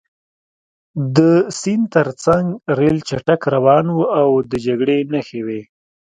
د سیند ترڅنګ ریل چټک روان و او د جګړې نښې وې